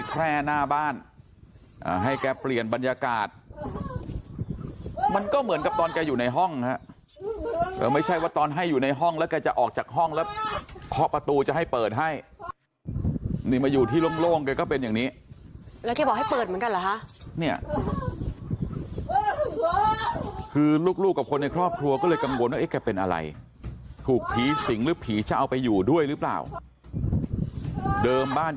แค่หน้าบ้านให้แกเปลี่ยนบรรยากาศมันก็เหมือนกับตอนแกอยู่ในห้องฮะไม่ใช่ว่าตอนให้อยู่ในห้องแล้วแกจะออกจากห้องแล้วเคาะประตูจะให้เปิดให้นี่มาอยู่ที่โล่งแกก็เป็นอย่างนี้แล้วแกบอกให้เปิดเหมือนกันเหรอคะเนี่ยคือลูกกับคนในครอบครัวก็เลยกังวลว่าเอ๊ะแกเป็นอะไรถูกผีสิงหรือผีจะเอาไปอยู่ด้วยหรือเปล่าเดิมบ้าน